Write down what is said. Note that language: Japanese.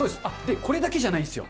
これだけじゃないんですよ。